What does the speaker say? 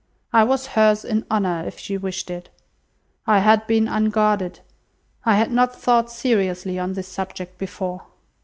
I was hers in honour if she wished it. I had been unguarded. I had not thought seriously on this subject before.